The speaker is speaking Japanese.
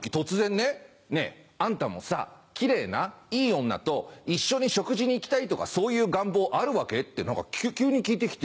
「ねぇあんたもさキレイないい女と一緒に食事に行きたいとかそういう願望あるわけ？」って急に聞いて来て。